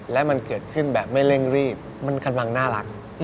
และมันเกิดขึ้นแบบไม่เร่งรีบมันกำลังน่ารัก